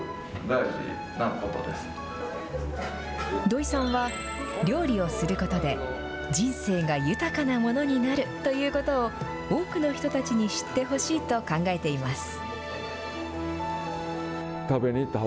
土井さんは、料理をすることで、人生が豊かなものになるということを、多くの人たちに知ってほしいと考えています。